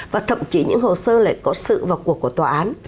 và thậm chí những hồ sơ lại có sự vào cuộc của tòa án